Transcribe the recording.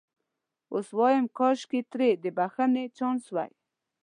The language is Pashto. اوس وایم کاش ترې د بخښنې چانس وای.